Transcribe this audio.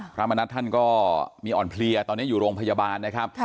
พระมณัฐท่านก็มีอ่อนเพลียตอนนี้อยู่โรงพยาบาลนะครับ